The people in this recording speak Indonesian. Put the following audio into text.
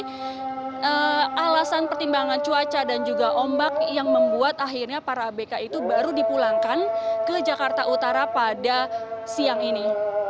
jadi alasan pertimbangan cuaca dan juga ombak yang membuat akhirnya para abk itu baru dipulangkan ke jakarta utara pada siang ini